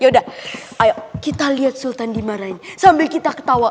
yaudah ayo kita lihat sultan dimarahin sambil kita ketawa